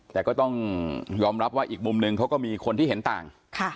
แต่ก็ต้องยอมรับว่าอีกมุมหนึ่งเขาก็มีคนที่เห็นต่าง